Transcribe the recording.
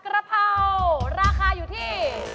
ราคาอยู่ที่๓๐